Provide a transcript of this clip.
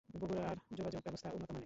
বগুড়ার যোগাযোগ ব্যবস্থা উন্নত মানের।